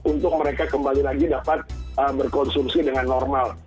untuk mereka kembali lagi dapat berkonsumsi dengan normal